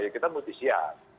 ya kita mau disiap